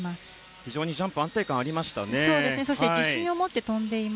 非常にジャンプ安定感がありましたね。